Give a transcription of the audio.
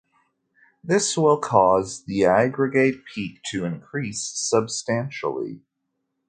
This will cause the aggregate peak to increase substantially.